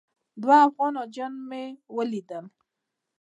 دوه افغان حاجیان مې ولیدل.